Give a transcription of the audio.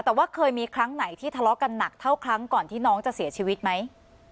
แต่ว่าเคยมีครั้งไหนที่ทะเลาะกันหนักเท่าครั้งก่อนที่น้องจะเสียชีวิตไหม